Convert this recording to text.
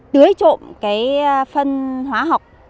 tưới trộm cái phân hóa học